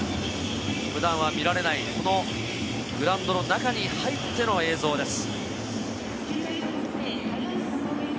普段は見られない、このグラウンドの中に入っての映像です。